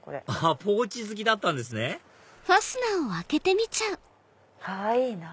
ポーチ好きだったんですねかわいいなぁ！